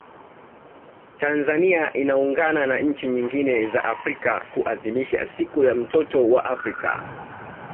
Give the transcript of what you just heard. Tanzania inaungana na nchi nyingine za Afrika kuadhimisha siku ya mtoto wa Afrika